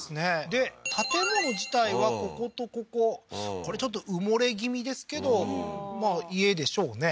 で建物自体はこことこここれちょっと埋もれ気味ですけど家でしょうね